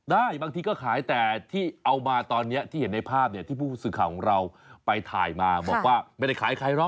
บางทีก็ขายแต่ที่เอามาตอนนี้ที่เห็นในภาพเนี่ยที่ผู้สื่อข่าวของเราไปถ่ายมาบอกว่าไม่ได้ขายใครหรอก